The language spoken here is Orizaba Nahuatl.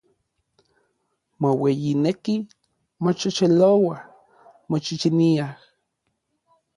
Moueyinekij, moxexelouaj, moxixiniaj.